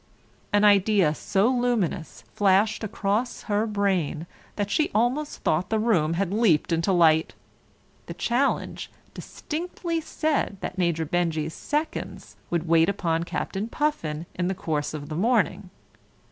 An idea so luminous flashed across her brain that she almost thought the room had leaped into light. The challenge distinctly said that Major Benjy's seconds would wait upon Captain Puffin in the course of the morning.